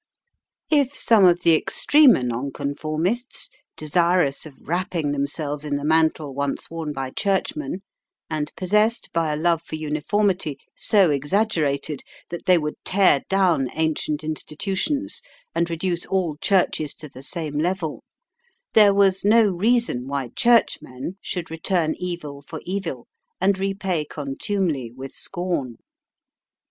If some of the extremer Nonconformists, desirous of wrapping themselves in the mantle once worn by Churchmen, and possessed by a love for uniformity so exaggerated that they would tear down ancient institutions and reduce all Churches to the same level, there was no reason why Churchmen should return evil for evil and repay contumely with scorn.